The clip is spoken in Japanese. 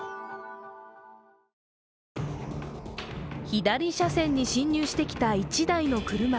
左車線に進入してきた１台の車。